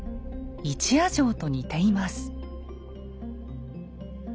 一夜城と似ています。